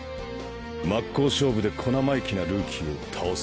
真っ向勝負で小生意気なルーキーを倒せ。